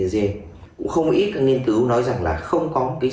vì vậy cũng không ít các nghiên cứu nói rằng là không có một cái sự khác biệt